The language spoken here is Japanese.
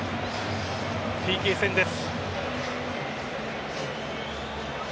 ＰＫ戦です。